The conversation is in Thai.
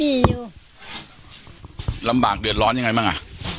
อยู่ลำบากเดือดร้อนยังไงบ้างอ่ะ